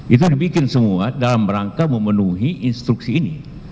itu dibikin semua dalam rangka memenuhi instruksi ini